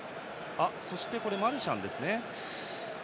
そして、マルシャンですね。